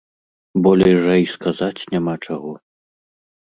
Болей жа і сказаць няма чаго.